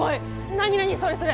何何それそれ！